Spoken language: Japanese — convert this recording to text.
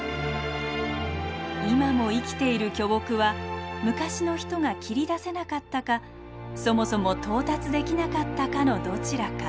今も生きている巨木は昔の人が切り出せなかったかそもそも到達できなかったかのどちらか。